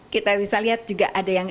kita bisa lihat juga ada yang